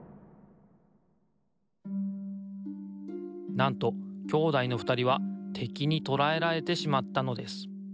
なんと兄弟のふたりはてきにとらえられてしまったのです。